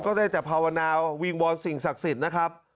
ได้แต่ภาวนาวิงวอนสิ่งศักดิ์สิทธิ์นะครับ